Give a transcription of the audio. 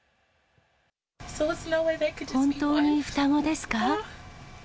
本当に双子ですか？